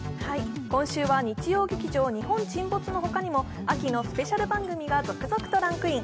今週は日曜劇場「日本沈没」の他にも秋のスペシャル番組が続々とランクイン。